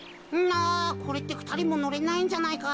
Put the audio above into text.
なあこれってふたりものれないんじゃないか？